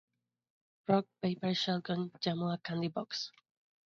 Rock, Paper, Shotgun llamó a "Candy Box!